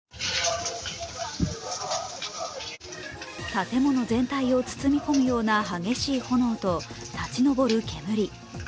建物全体を包み込むような激しい炎と立ち上る煙。